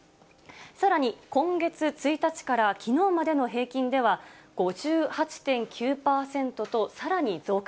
さらに今月１日からきのうまでの平均では５８．９％とさらに増加。